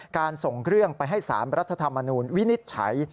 ส่งเรื่องไปให้๓รัฐธรรมนูญวินิจฉัย